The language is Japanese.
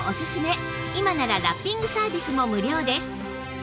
今ならラッピングサービスも無料です